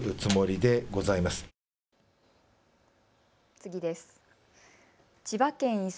次です。